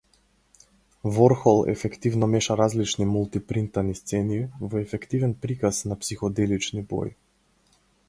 Ворхол ефективно меша различни мулти-принтани сцени во ефективен приказ на психоделични бои.